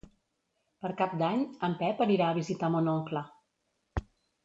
Per Cap d'Any en Pep anirà a visitar mon oncle.